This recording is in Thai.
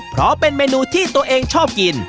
เพราะเป็นเมนูที่ตัวเองชอบกิน